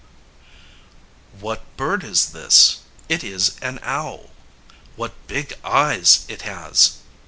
] What bird is this? It is an owl. What big eyes it has!